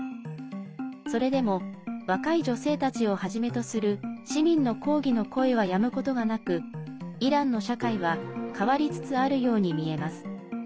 それでも若い女性たちをはじめとする市民の抗議の声はやむことがなくイランの社会は変わりつつあるように見えます。